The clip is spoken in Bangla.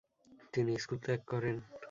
তিনি স্কুল ত্যাগ করেন।